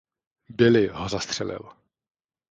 Billy ho zastřelil.